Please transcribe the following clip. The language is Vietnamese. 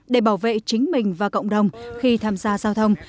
để bảo vệ chính mình và cộng đồng khi tham gia giao thông